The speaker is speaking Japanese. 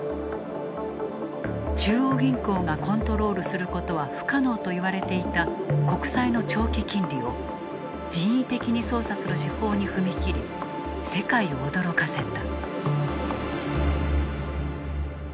中央銀行がコントロールすることは不可能と言われていた国債の長期金利を人為的に操作する手法に踏み切り世界を驚かせた。